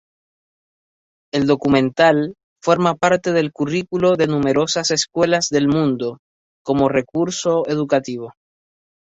El documental forma parte del currículo de numerosas escuelas del mundo como recurso educativo.